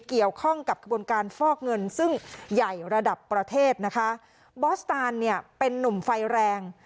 เกี่ยวข้องกับกระบวนการฟอกเงินซึ่งใหญ่ระดับประเทศนะคะบอสตานเนี่ยเป็นนุ่มไฟแรง